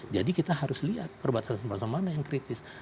jadi kita harus lihat perbatasan tersebut mana yang kritis